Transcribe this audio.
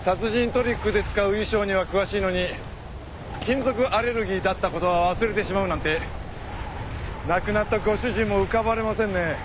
殺人トリックで使う衣装には詳しいのに金属アレルギーだった事は忘れてしまうなんて亡くなったご主人も浮かばれませんね。